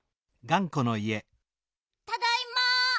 ただいま。